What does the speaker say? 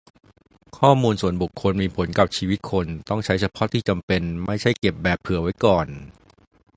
ข้อมูลส่วนบุคคลมีผลกับชีวิตคน ต้องใช้เฉพาะที่จำเป็น ไม่ใช่เก็บแบบ "เผื่อไว้ก่อน"